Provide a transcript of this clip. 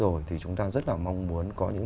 rồi thì chúng ta rất là mong muốn có những